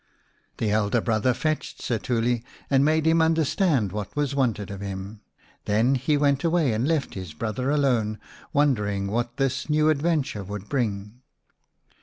" The elder brother fetched Setuli and made him understand what was wanted of him. Then he went away and left his brother alone, wonder ing what this new adventure would bring.